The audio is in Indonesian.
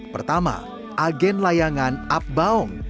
pertama agen layangan abbaong